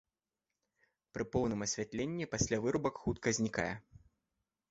Пры поўным асвятленні пасля вырубак хутка знікае.